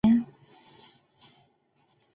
绍熙四年。